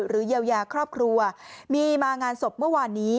เยียวยาครอบครัวมีมางานศพเมื่อวานนี้